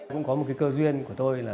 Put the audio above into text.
cũng có một cơ duyên của tôi là